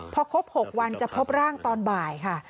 พอครบ๖วันจะพบร่างตอนบ่ายค่ะ